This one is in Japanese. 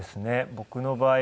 僕の場合は。